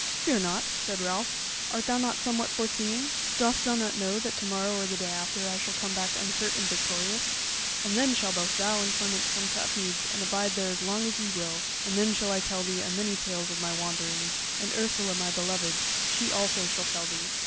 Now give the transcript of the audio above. "Fear nought," said Ralph; "art thou not somewhat foreseeing? Dost thou not know that to morrow or the day after I shall come back unhurt and victorious; and then shall both thou and Clement come to Upmeads and abide there as long as ye will; and then shall I tell thee a many tales of my wanderings; and Ursula my beloved, she also shall tell thee."